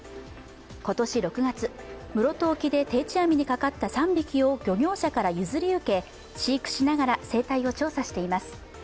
今年６月、室戸沖で定置網にかかった３匹を漁業者から譲り受け、飼育しながら生態を調査しています。